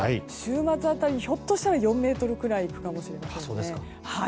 週末辺りにひょっとしたら４ｍくらいまでいくかもしれません。